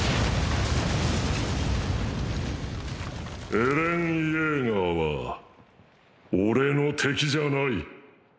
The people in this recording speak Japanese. エレン・イェーガーは俺の敵じゃない。